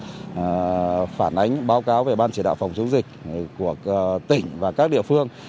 đã phản ánh báo cáo về ban chỉ đạo phòng chống dịch của tỉnh và các địa phương